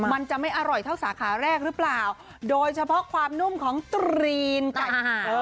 มันจะไม่อร่อยเท่าสาขาแรกหรือเปล่าโดยเฉพาะความนุ่มของตรีนไก่